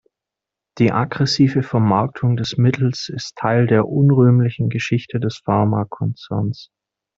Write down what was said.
Die aggressive Vermarktung des Mittels ist Teil der unrühmlichen Geschichte des Pharmakonzerns.